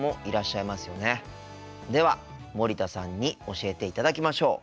では森田さんに教えていただきましょう。